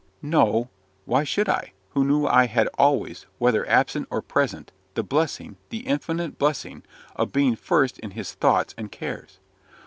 No; why should I, who knew I had always, whether absent or present, the blessing, the infinite blessing, of being first in his thoughts and cares?